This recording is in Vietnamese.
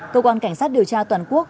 cơ quan cảnh sát điều tra toàn quốc